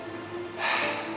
mama adriana telah berubah